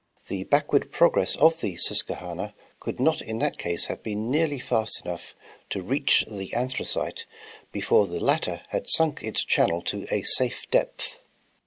The backward pro gress of the Susquehanna could not in that case have been neai'ly fast enough to i each the Anthracite before the latter had sunk its channel to a safe depth.